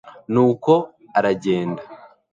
nuko aragenda